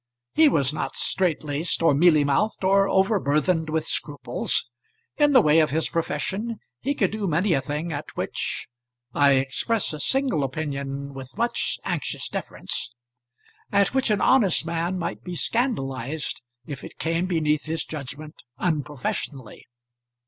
He was not straitlaced, or mealy mouthed, or overburthened with scruples. In the way of his profession he could do many a thing at which I express a single opinion with much anxious deference at which an honest man might be scandalized if it came beneath his judgment unprofessionally.